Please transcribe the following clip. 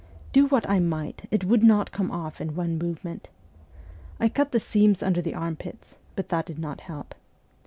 Do what I might, it would not come off in one movement. I cut the seams under the armpits, but that did not help.